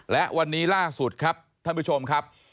และวันนี้ล่าสุดครับท่านผู้ชมครับ